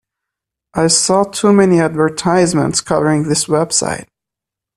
I saw too many advertisements covering this website.